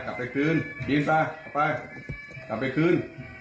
กลับไปขึ้นจินส่ากลับไปคืน